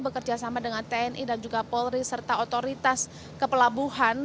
bekerjasama dengan tni dan juga polri serta otoritas kepelabuhan